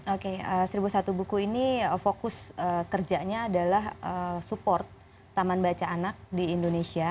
oke seribu satu buku ini fokus kerjanya adalah support taman baca anak di indonesia